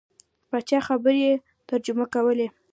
پاچا خبرې ترجمه کولې.